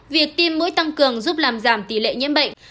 việc tiêm mũi tăng cường giúp làm giảm tỷ lệ nhiễm bệnh